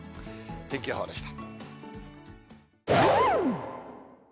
天気予報でした。